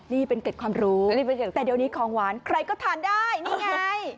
นี่เป็นเกร็ดความรู้แต่เดี๋ยวนี้ของหวานใครก็ทานได้นี่ไง